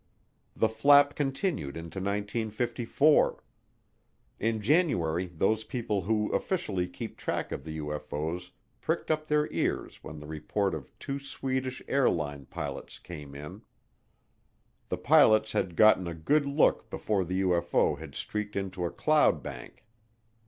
The flap continued into 1954. In January those people who officially keep track of the UFO's pricked up their ears when the report of two Swedish airline pilots came in. The pilots had gotten a good look before the UFO had streaked into a cloud bank.